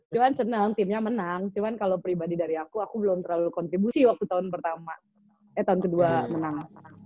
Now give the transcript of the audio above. cuma seneng timnya menang cuman kalau pribadi dari aku aku belum terlalu kontribusi waktu tahun pertama eh tahun kedua menang